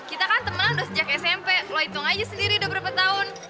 kita kan teman lah udah sejak smp lo itung aja sendiri udah berapa tahun